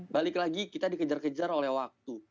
balik lagi kita dikejar kejar oleh waktu